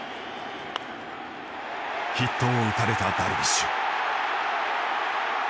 ヒットを打たれたダルビッシュ。